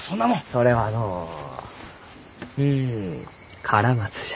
それはのううんカラマツじゃ。